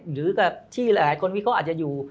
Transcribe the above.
หรือที่หลายคนอาจจะอยู่